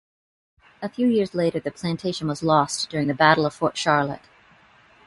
A few years later the plantation was lost during the Battle of Fort Charlotte.